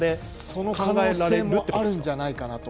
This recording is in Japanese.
その可能性もあるんじゃないかなと。